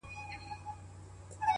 • ستا په تعويذ كي به خپل زړه وويني،